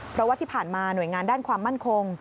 เพราะว่าที่ผ่านมาหน่วยงานด้านความมั่นคง